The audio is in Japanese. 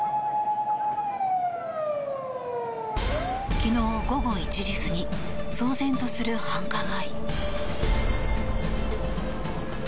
昨日午後１時過ぎ騒然とする繁華街。